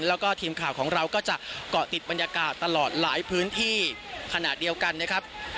แล้วก็ทีมข่าวของเราก็จะเกาะติดบรรยากาศตลอดหลายพื้นที่ขณะเดียวกันนะครับ